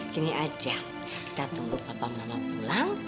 gini aja kita tunggu bapak mamah pulang